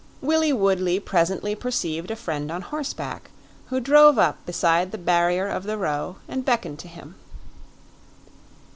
Willie Woodley presently perceived a friend on horseback, who drove up beside the barrier of the Row and beckoned to him.